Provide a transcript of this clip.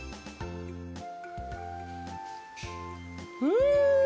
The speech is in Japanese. うん！